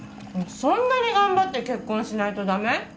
そんなに頑張って結婚しないとダメ？